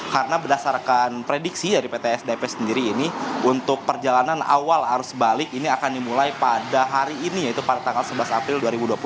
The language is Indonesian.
karena berdasarkan prediksi dari pt asdp sendiri ini untuk perjalanan awal arus balik ini akan dimulai pada hari ini yaitu pada tanggal sebelas april dua ribu dua puluh